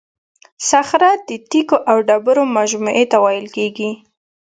صخره د تیکو او ډبرو مجموعې ته ویل کیږي.